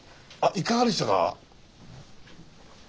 いかがでしたか？